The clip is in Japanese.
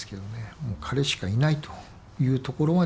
もう彼しかいないというところまで